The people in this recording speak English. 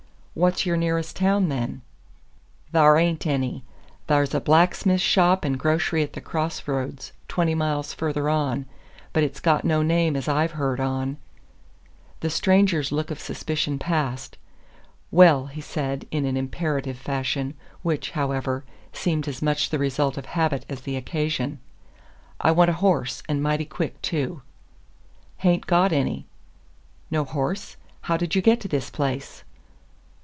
"What's your nearest town, then?" "Thar ain't any. Thar's a blacksmith's shop and grocery at the crossroads, twenty miles further on, but it's got no name as I've heard on." The stranger's look of suspicion passed. "Well," he said, in an imperative fashion, which, however, seemed as much the result of habit as the occasion, "I want a horse, and mighty quick, too." "H'ain't got any." "No horse? How did you get to this place?"